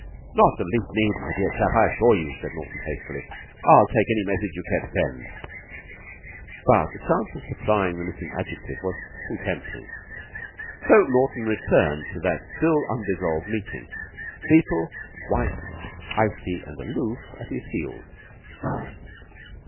"Not the least need, my dear chap, I assure you," said Naughten hastily. "I'll take any message you care to send." But the chance of supplying the missing adjective was too tempting. So Naughten returned to that still undissolved meeting, Beetle, white, icy, and aloof, at his heels.